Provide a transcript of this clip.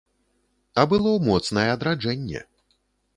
А было моцнае адраджэнне.